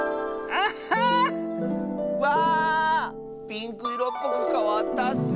ピンクいろっぽくかわったッス！